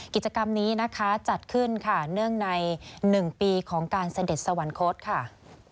กิจกรรมนี้จัดขึ้นเนื่องใน๑ปีของการเสด็จสวรรค์โค้ดค่ะ